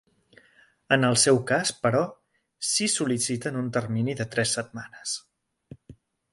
En el seu cas, però, sí sol·liciten un termini de tres setmanes.